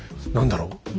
何だろう